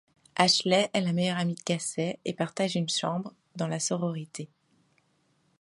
Ashleigh est la meilleure amie de Casey et partage une chambre dans la sororité.